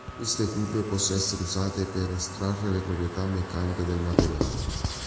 Queste curve possono essere usate per estrarre le proprietà meccaniche del materiale.